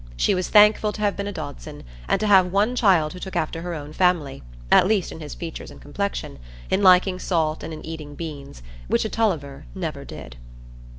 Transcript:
She was thankful to have been a Dodson, and to have one child who took after her own family, at least in his features and complexion, in liking salt and in eating beans, which a Tulliver never did.